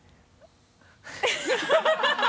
ハハハ